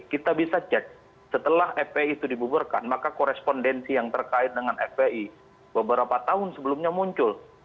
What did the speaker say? kita bisa cek setelah fpi itu dibuburkan maka korespondensi yang terkait dengan fpi beberapa tahun sebelumnya muncul